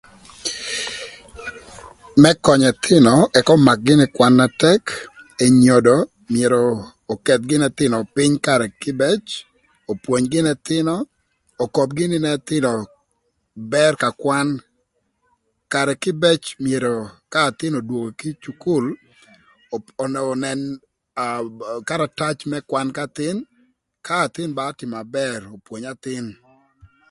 Më könyö ëthïnö ëk ömak gïnö kwan na tëk enyodo myero oketh gïnï ëthïnö pïny karë kïbëc opwony gïnï ëthïnö, okob gïnï n'ëthïnö bër ka kwan karë kïbëc myero k'athïn odwongo kï cukul öpwö önën karatac më kwan k'athïn ba ötïmö abër opwony athïn.